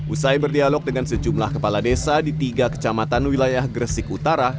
usai berdialog dengan sejumlah kepala desa di tiga kecamatan wilayah gresik utara